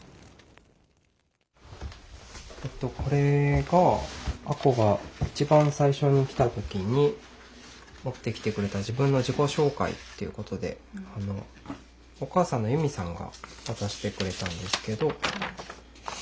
これがあこが一番最初に来た時に持ってきてくれた自分の自己紹介っていうことでお母さんのゆみさんが渡してくれたんですけど。